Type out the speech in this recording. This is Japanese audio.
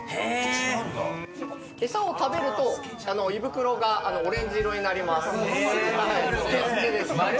餌を食べると胃袋がオレンジ色になります。